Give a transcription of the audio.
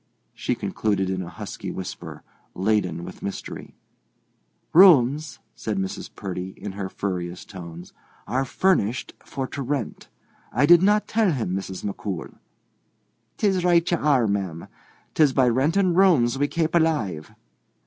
she concluded in a husky whisper, laden with mystery. "Rooms," said Mrs. Purdy, in her furriest tones, "are furnished for to rent. I did not tell him, Mrs. McCool." "'Tis right ye are, ma'am; 'tis by renting rooms we kape alive.